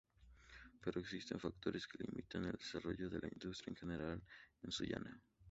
Pero existen factores que limitan el desarrollado de la industria en general, en Sullana.